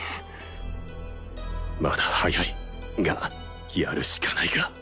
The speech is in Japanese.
まだ早いがやるしかないか